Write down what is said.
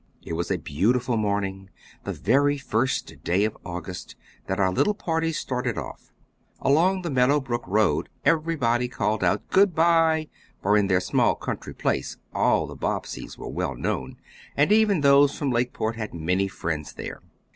It was a beautiful morning, the very first day of August, that our little party started off. Along the Meadow Brook road everybody called out "Good by!" for in the small country place all the Bobbseys were well known, and even those from Lakeport had many friends there.